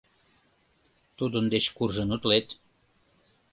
— Тудын деч куржын утлет...